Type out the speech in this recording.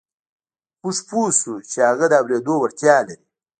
موږ پوه شوو چې هغه د اورېدو وړتيا لري.